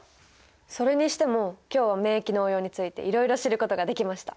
それにしても今日は免疫の応用についていろいろ知ることができました。